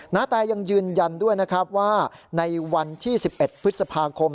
นาแตยังยืนยันด้วยนะครับว่าในวันที่๑๑พฤษภาคม